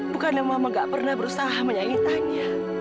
bukannya mama nggak pernah berusaha menyanyi tanya